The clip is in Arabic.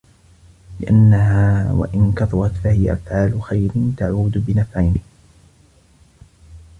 لِأَنَّهَا وَإِنْ كَثُرَتْ فَهِيَ أَفْعَالُ خَيْرٍ تَعُودُ بِنَفْعَيْنِ